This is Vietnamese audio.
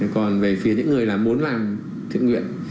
còn về phía những người là muốn làm thiện nguyện